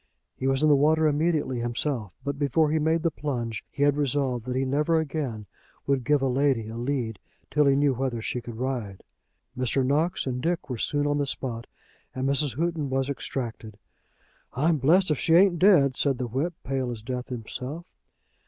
He was in the water immediately himself, but before he made the plunge he had resolved that he never again would give a lady a lead till he knew whether she could ride. Mr. Knox and Dick were soon on the spot, and Mrs. Houghton was extracted. "I'm blessed if she ain't dead," said the whip, pale as death himself.